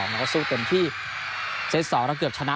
มันก็สู้เต็มที่เซต๒เราเกือบชนะ